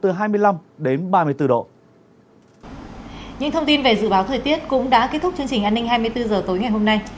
những thông tin về dự báo thời tiết cũng đã kết thúc chương trình an ninh hai mươi bốn h tối ngày hôm nay